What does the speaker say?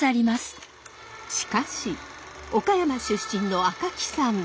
しかし岡山出身の赤木さん。